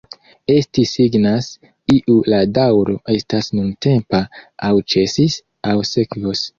Esti signas, iu la daŭro estas nuntempa, aŭ ĉesis, aŭ sekvos.